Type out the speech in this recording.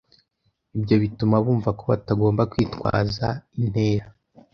ibyo bituma bumva ko batagomba kwitwaza intera